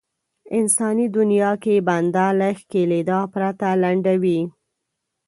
انساني دنيا کې بنده له ښکېلېدا پرته لنډوي.